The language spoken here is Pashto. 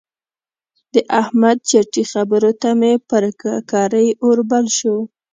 د احمد چټي خبرو ته مې پر ککرۍ اور بل شو.